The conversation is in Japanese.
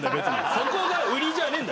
そこが売りじゃねえんだ